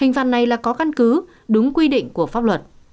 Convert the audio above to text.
hình phạt này là có căn cứ đúng quy định của pháp luật